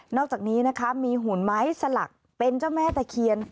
อกจากนี้นะคะมีหุ่นไม้สลักเป็นเจ้าแม่ตะเคียน